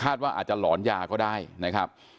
ว่าอาจจะหลอนยาก็ได้นะครับ